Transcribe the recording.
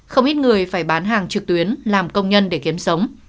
không ít người phải bán hàng trực tuyến làm công nhân để kiếm sống